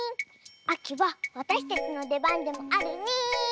あきはわたしたちのでばんでもあるリーン。